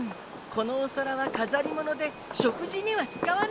このお皿は飾り物で食事には使わないのさ。